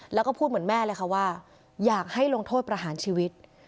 แล้วก็พูดเหมือนแม่เลยค่ะว่าอยากให้ลงโทษประหารชีวิต